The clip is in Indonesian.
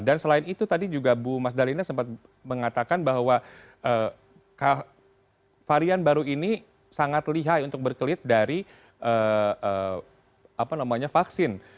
selain itu tadi juga bu mas dalina sempat mengatakan bahwa varian baru ini sangat lihai untuk berkelit dari vaksin